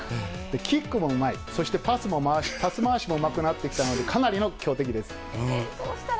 キックもうまい、そしてパス回しもうまくなってきたので、かなりの強敵です。